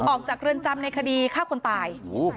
ออกจากเรือนจำในคดีฆ่าคนตาย